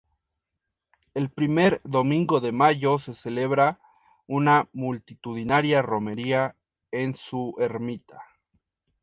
El primer domingo de mayo se celebra una multitudinaria romería en su ermita.